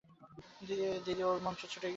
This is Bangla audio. দিদি, ওর মন্ত্র একেবারে ছুটে গেছে।